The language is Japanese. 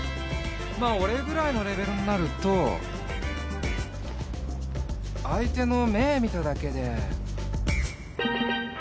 まあ俺ぐらいのレベルになると相手の目見ただけで。